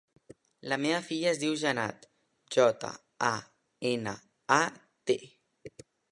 La meva filla es diu Janat: jota, a, ena, a, te.